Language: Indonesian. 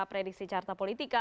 prediksi carta politika